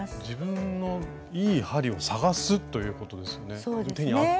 自分のいい針を探すということですね。